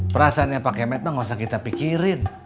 perasaan yang pak kemet ngga usah kita pikirin